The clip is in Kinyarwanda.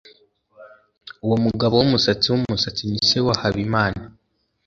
Uwo mugabo wumusatsi wumusatsi ni se wa Habimana.